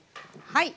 はい。